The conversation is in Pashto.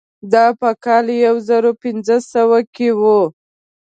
دا په کال یو زر پنځه سوه کې وه.